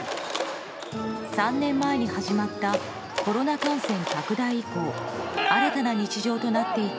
３年前に始まったコロナ感染拡大以降新たな日常となっていた